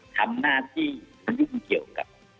ทำหน้าที่มายุ่งเกี่ยวกับ